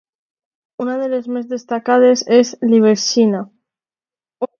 Una de les més destacades és Liberxina.